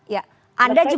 ya anda juga